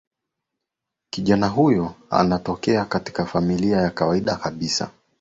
kijana huyu anatokea katika familia ya kawaida kabisa